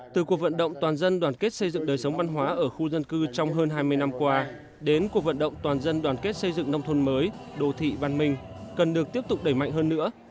từ cuộc vận động toàn dân đoàn kết xây dựng đời sống văn hóa ở khu dân cư trong hơn hai mươi năm qua đến cuộc vận động toàn dân đoàn kết xây dựng nông thôn mới đô thị văn minh cần được tiếp tục đẩy mạnh hơn nữa